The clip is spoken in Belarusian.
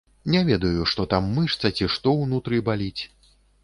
Не ведаю, што там мышца ці што, унутры баліць.